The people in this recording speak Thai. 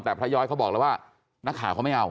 แต่พระย้อยเขาบอกแล้วว่านักข่าวเขาไม่เอา